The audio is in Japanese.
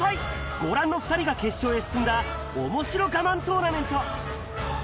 ご覧の２人が決勝へ進んだ面白我慢トーナメント。